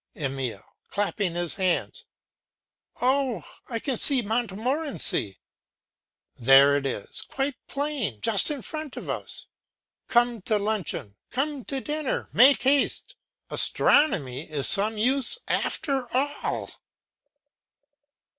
EMILE. (Clapping his hands.) Oh, I can see Montmorency! there it is, quite plain, just in front of us! Come to luncheon, come to dinner, make haste! Astronomy is some use after all.